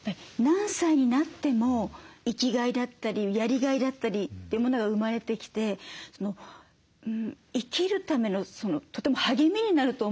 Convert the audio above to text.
何歳になっても生きがいだったりやりがいだったりってものが生まれてきて生きるためのとても励みになると思うんですよね。